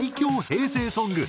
平成ソング